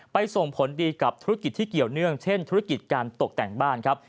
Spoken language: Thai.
ส่งผลดีกับธุรกิจที่เกี่ยวเนื่องเช่นธุรกิจการตกแต่งบ้านครับ